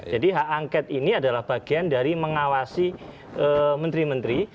jadi hak angket ini adalah bagian dari mengawasi menteri menteri